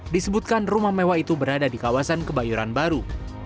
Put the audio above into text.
disebutkan rumah mewah itu berada di kawasan kebayoran baru